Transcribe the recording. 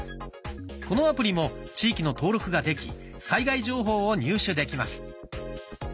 このアプリも地域の登録ができ災害情報を入手できます。